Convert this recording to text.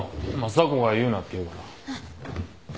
査子が言うなって言うから。